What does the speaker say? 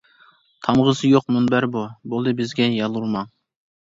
تامغىسى يۇق مۇنبەر بۇ بولدى بىزگە يالۋۇرماڭ.